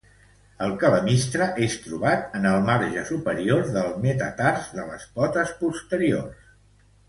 El calamistre és trobat en el marge superior del metatars de les potes posteriors.